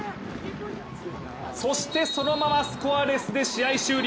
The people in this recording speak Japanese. そして、そのままスコアレスで試合終了。